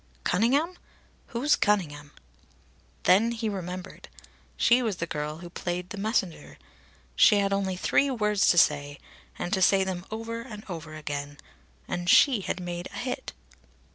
"Cunningham? Who's Cunningham?" Then he remembered. She was the girl who played the Messenger. She had only three words to say, and to say them over and over again; and she had made a hit!